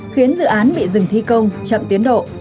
khiến dự án bị dừng thi công chậm tiến độ